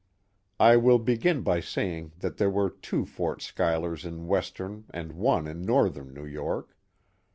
I will begin by saying that there were two Fort Schuylcrs in western and one in northern New York.